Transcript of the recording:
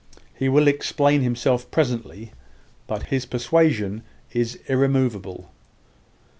He will explain himself presently. But his persuasion is irremoveable."